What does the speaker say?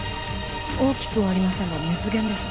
大きくはありませんが熱源です。